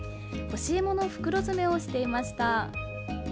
干しいもの袋詰めをしていました。